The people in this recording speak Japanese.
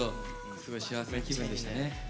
すごい幸せな気分でしたね。